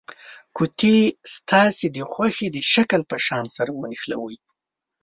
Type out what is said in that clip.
قطي ستاسې د خوښې د شکل په شان سره ونښلوئ.